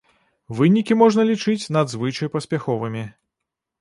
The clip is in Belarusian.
Вынікі можна лічыць надзвычай паспяховымі.